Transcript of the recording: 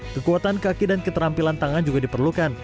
kekuatan kaki dan keterampilan tangan juga diperlukan